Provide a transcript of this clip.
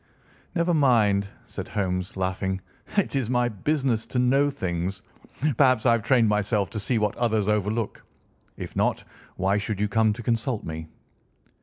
"Never mind," said Holmes, laughing; "it is my business to know things. Perhaps I have trained myself to see what others overlook. If not, why should you come to consult me?"